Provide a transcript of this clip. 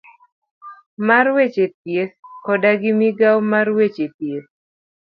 mar weche thieth koda gi migawo mar weche thieth.